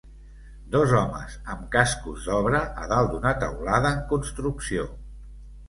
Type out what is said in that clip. Dos homes amb cascos d'obra a dalt d'una teulada en construcció.